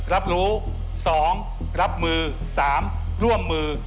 รับรู้๒รับมือ๓ร่วมมือ